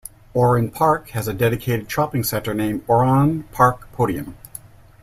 Oran Park has a dedicated shopping centre named Oran Park Podium.